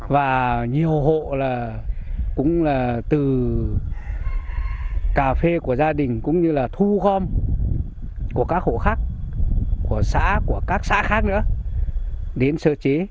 và nhiều hộ là cũng là từ cà phê của gia đình cũng như là thu gom của các hộ khác của xã của các xã khác nữa đến sơ chế